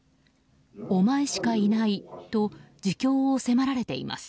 お前しかいないと自供を迫られています。